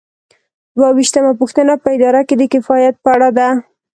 دوه ویشتمه پوښتنه په اداره کې د کفایت په اړه ده.